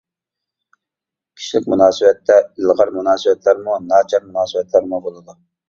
كىشىلىك مۇناسىۋەتتە ئىلغار مۇناسىۋەتلەرمۇ، ناچار مۇناسىۋەتلەرمۇ بولىدۇ.